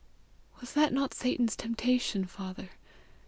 Was not that Satan's temptation, Father?